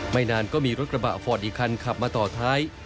นานก็มีรถกระบะฟอร์ดอีกคันขับมาต่อท้าย